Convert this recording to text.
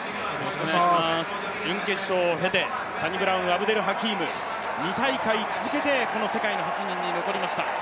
準決勝を経て、サニブラウン・アブデル・ハキーム、２大会続けてこの世界の８人に残りました。